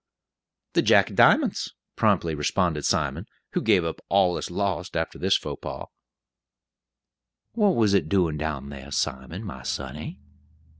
"The Jack a dimunts," promptly responded Simon, who gave up all as lost after this faux pas. "What was it doin' down thar, Simon, my sonny?"